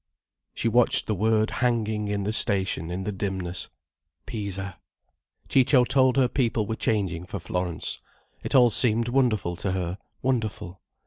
She watched the word hanging in the station in the dimness: "Pisa." Ciccio told her people were changing for Florence. It all seemed wonderful to her—wonderful.